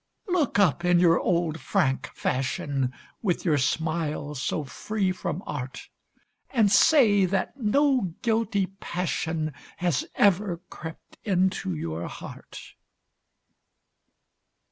Look up in your old frank fashion, With your smile so free from art; And say that no guilty passion Has ever crept into your heart.